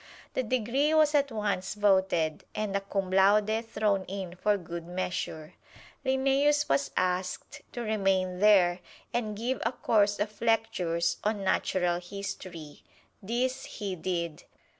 The degree was at once voted, and a "cum laude" thrown in for good measure. Linnæus was asked to remain there and give a course of lectures on natural history. This he did.